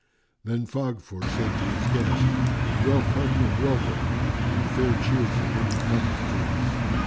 Then Faghfur said to his guest, "Well come and welcome and fair cheer to him who cometh to us!